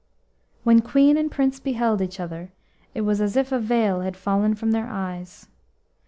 When Queen and Prince beheld each other, it was as if a veil had fallen from their eyes.